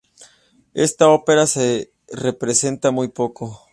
Esta ópera se representa muy poco.